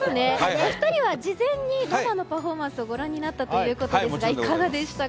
お二人は事前に生のパフォーマンスをご覧になったということですがいかがでしたか？